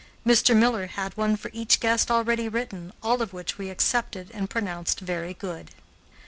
Mr. Miller had one for each guest already written, all of which we accepted and pronounced very good.